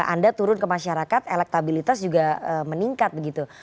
anda turun ke masyarakat elektabilitas juga meningkat begitu